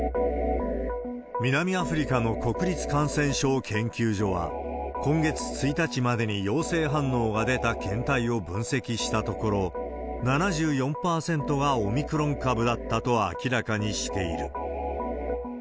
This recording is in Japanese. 南アフリカの国立感染症研究所は、今月１日までに陽性反応が出た検体を分析したところ、７４％がオミクロン株だったと明らかにしている。